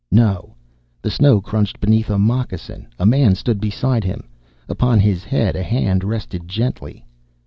No. The snow crunched beneath a moccasin; a man stood beside him; upon his head a hand rested gently.